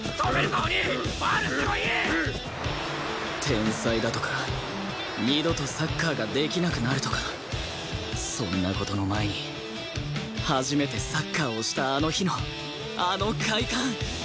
天才だとか二度とサッカーができなくなるとかそんな事の前に初めてサッカーをしたあの日のあの快感！